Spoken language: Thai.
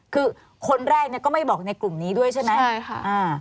คือคนแรกเนี่ยก็ไม่บอกในกลุ่มนี้ด้วยใช่ไหมใช่ค่ะอ่า